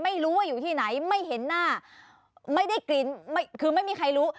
ไม่รู้ว่าอยู่ที่ไหนไม่เห็นหน้าไม่ได้กลิ่นคือไม่มีใครรู้